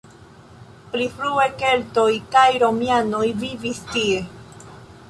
Pli frue keltoj kaj romianoj vivis tie.